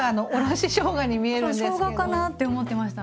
そうしょうがかなって思ってました。